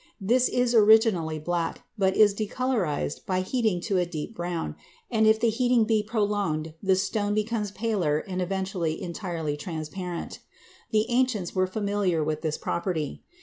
This is originally black, but is decolorized by heating to a deep brown, and if the heating be prolonged the stone becomes paler and eventually entirely transparent. The ancients were familiar with this property.